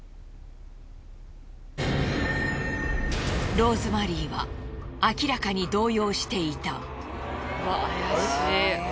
ローズマリーは明らかに動揺していた。